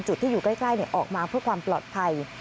จุดที่อยู่ใกล้ออกมาเพื่อความปลอดภัย